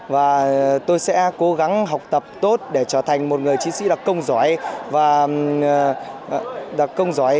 và tôi sẽ cố gắng học tập tốt để trở thành một người chiến sĩ đặc công giỏi